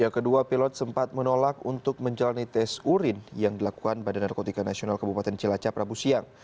kedua pilot sempat menolak untuk menjalani tes urin yang dilakukan badan narkotika nasional kabupaten cilacap rabu siang